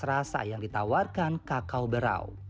seperti intensitas rasa yang ditawarkan kakao berau